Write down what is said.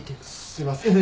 すいません。